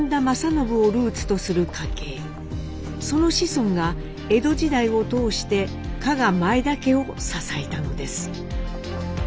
その子孫が江戸時代を通して加賀前田家を支えたのです。